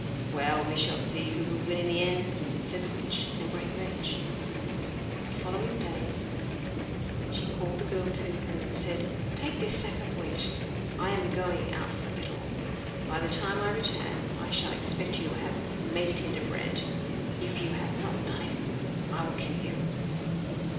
'Well, we shall see who will win in the end,' said the witch, in a great rage. The following day she called the girl to her and said: 'Take this sack of wheat. I am going out for a little; by the time I return I shall expect you to have made it into bread. If you have not done it I will kill you.